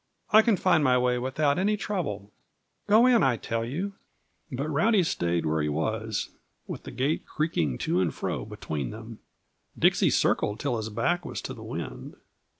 I can find my way without any trouble. Go in, I tell you!" But Rowdy stayed where he was, with the gate creaking to and fro between them. Dixie circled till his back was to the wind.